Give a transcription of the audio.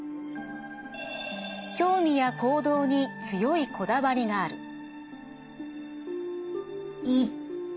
興味や行動に強いこだわりがある。